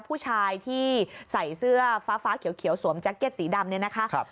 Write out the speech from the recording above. ผู้ชายที่ใส่เสื้อฟ้าเขียวสวมแจ็คเก็ตสีดำเนี่ยนะคะ